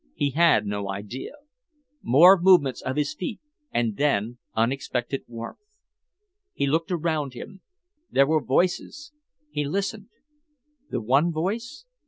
He had no idea. More movements of his feet, and then unexpected warmth. He looked around him. There were voices. He listened. The one voice?